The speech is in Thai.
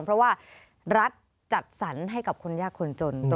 เพราะว่ารัฐจัดสรรให้กับคนยากคนจน